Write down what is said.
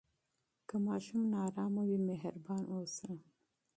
که ماشوم نارامه وي، مهربان اوسه.